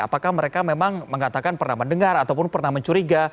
apakah mereka memang mengatakan pernah mendengar ataupun pernah mencuriga